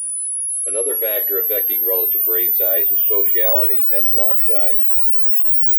Another factor affecting relative brain size is sociality and flock size.